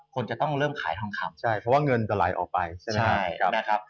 คนจะต้องเริ่มขายทองคำใช่เพราะว่าเงินจะไหลออกไปใช่ไหมนะครับ